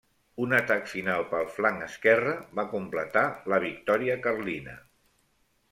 Un atac final pel flanc esquerre va completar la victòria carlina.